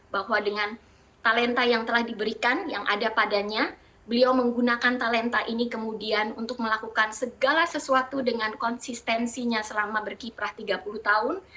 bahwa dengan talenta yang telah diberikan yang ada padanya beliau menggunakan talenta ini kemudian untuk melakukan segala sesuatu dengan konsistensinya selama berkiprah tiga puluh tahun